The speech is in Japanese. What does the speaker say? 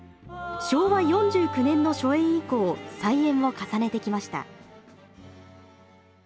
昭和４９年の初演以降再演を重ねてきました。